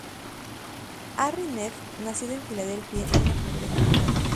Hari Nef nació en Filadelfia, en una familia judía.